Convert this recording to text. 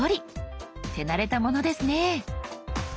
手慣れたものですね。